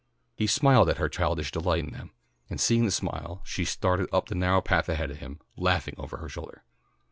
He smiled at her childish delight in them, and seeing the smile she started up the narrow path ahead of him, laughing over her shoulder.